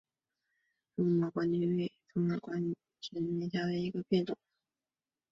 柔毛冠盖藤为虎耳草科冠盖藤属下的一个变种。